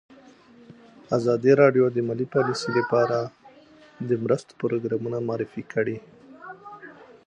ازادي راډیو د مالي پالیسي لپاره د مرستو پروګرامونه معرفي کړي.